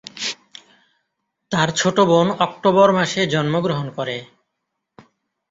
তার ছোট বোন অক্টোবর মাসে জন্মগ্রহণ করে।